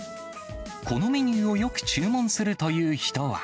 このメニューをよく注文するという人は。